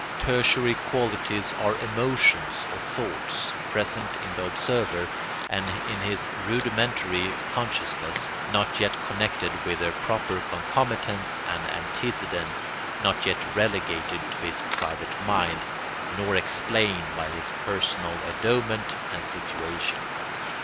Tertiary qualities are emotions or thoughts present in the observer and in his rudimentary consciousness not yet connected with their proper concomitants and antecedents, not yet relegated to his private mind, nor explained by his personal endowment and situation.